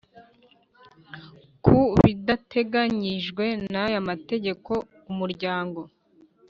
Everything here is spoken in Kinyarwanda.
Ku bidateganyijwe n aya mategeko Umuryango